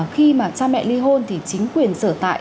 khi mà cha mẹ ly hôn thì chính quyền sở tại